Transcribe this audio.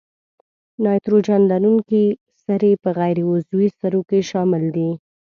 نایتروجن لرونکي سرې په غیر عضوي سرو کې شامل دي.